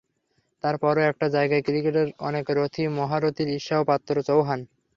তার পরও একটা জায়গায় ক্রিকেটের অনেক রথী মহারথীরও ঈর্ষার পাত্র চৌহান।